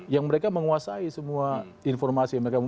yang mereka menguasai semua informasi